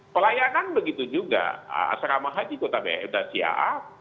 pelayanan begitu juga asrama haji kota biaudasya'a